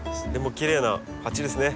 きれいな鉢ですね。